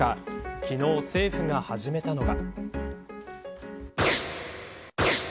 昨日、政府が始めたのが。